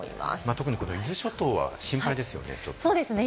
特に伊豆諸島は心配ですね。